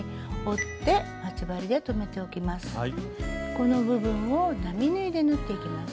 この部分を並縫いで縫っていきます。